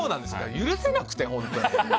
許せなくて、本当に。